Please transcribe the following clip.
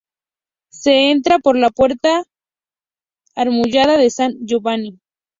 Se entra por la puerta amurallada de San Giovanni.